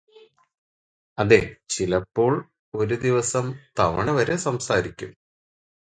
അതെചിലപ്പോൾ ഒരുദിവസം തവണവരെ സംസാരിക്കും